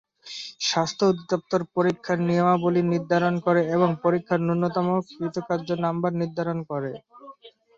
স্বাস্থ্য অধিদপ্তর পরীক্ষার নিয়মাবলী নির্ধারণ করে এবং পরীক্ষার ন্যূনতম কৃতকার্য নাম্বার নির্ধারণ করে।